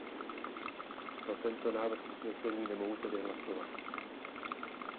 Pro tento návrh usnesení nemohu tedy hlasovat.